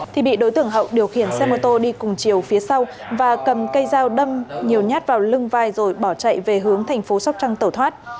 thì bị đối tượng hậu điều khiển xe mô tô đi cùng chiều phía sau và cầm cây dao đâm nhiều nhát vào lưng vai rồi bỏ chạy về hướng thành phố sóc trăng tẩu thoát